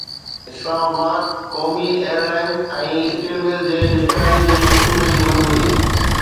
اسلام آباد قومي ايئر لائنز ۽ اسٽيل ملز جي نجڪاري جي منصوبي جي منظوري